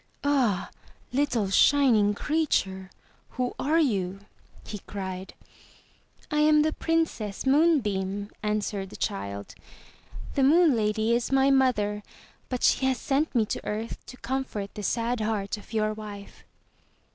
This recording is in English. "Ah, little shining creature, who are you?" he cried. "I am the Princess Moonbeam," answered the child. "The Moon Lady is my mother, but she has sent me to earth to comfort the sad heart of your wife."